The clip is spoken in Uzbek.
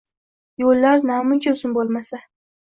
Yo‘llar namuncha uzun bo‘lmasa?